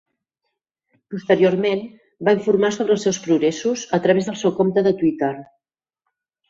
Posteriorment, va informar sobre els seus progressos a través del seu compte de Twitter.